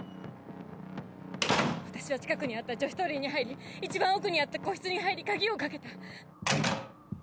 私は近くにあった女子トイレに入り一番奥にあった個室に入り鍵を掛けた。